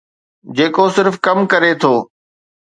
جيڪو صرف ڪم ڪري ٿو.